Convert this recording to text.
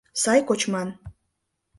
Сай кочман